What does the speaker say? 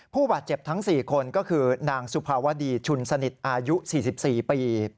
ผู้บาดเจ็บทั้ง๔คนก็คือนางสุภาวดีชุนสนิทอายุ๔๔ปี